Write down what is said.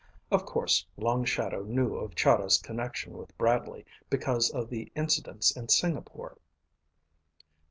Of course Long Shadow knew of Chahda's connection with Bradley because of the incidents in Singapore.